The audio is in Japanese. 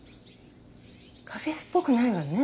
家政婦っぽくないわね。